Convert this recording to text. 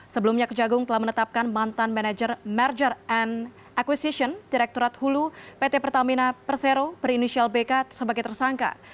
sebelumnya kejagung telah menetapkan mantan manajer merger and equisition direkturat hulu pt pertamina persero berinisial bk sebagai tersangka